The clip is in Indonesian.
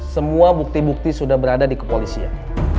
semua bukti bukti sudah berada di kepolisian